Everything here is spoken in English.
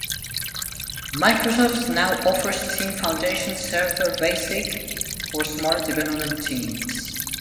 Microsoft now offers Team Foundation Server Basic for smaller development teams.